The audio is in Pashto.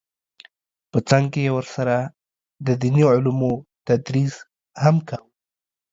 په څنګ کې یې ورسره د دیني علومو تدریس هم کاوه